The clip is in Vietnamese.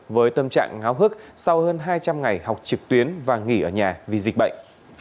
với tâm trạng ngáo hức sau hơn hai trăm linh ngày học trực tuyến và nghỉ ở nhà vì dịch bệnh